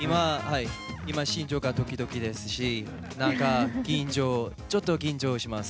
今、心臓がドキドキですしちょっと緊張します。